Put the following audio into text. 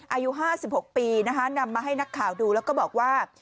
อายุ๕๖ปีนะคะนำมาให้นักข่าวดูแล้วก็บอกว่า